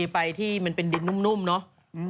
ไปที่มันเป็นดินนุ่มเนาะ